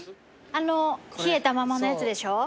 冷えたままのやつでしょ？